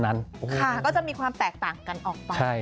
ก็จะมีความแตกต่างกันออกไป